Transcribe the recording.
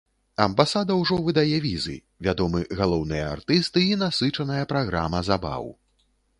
Амбасада ўжо выдае візы, вядомы галоўныя артысты і насычаная праграма забаў.